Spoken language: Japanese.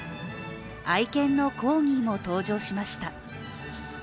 愛犬のコーギーも登場しました。